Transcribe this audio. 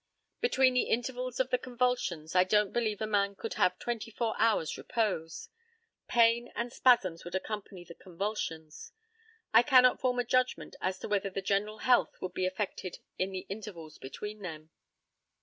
Between the intervals of the convulsions I don't believe a man could have twenty four hours' repose. Pain and spasms would accompany the convulsions. I cannot form a judgment as to whether the general health would be affected in the intervals between them.